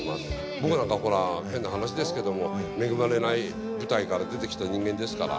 僕なんかほら変な話ですけど恵まれない舞台から出てきた人間ですから。